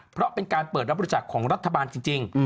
เพราะเป็นการเปิดรับบริจาคของรัฐบาลจริง